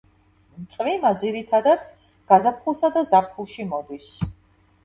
წვიმა ძირითადად გაზაფხულსა და ზაფხულში მოდის.